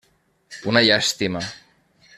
Una llàstima.